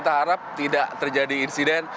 tidak terjadi insiden